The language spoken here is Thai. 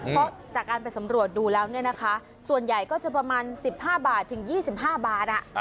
เพราะจากการไปสำรวจดูแล้วเนี้ยนะคะส่วนใหญ่ก็จะประมาณสิบห้าบาทถึงยี่สิบห้าบาทอ่ะ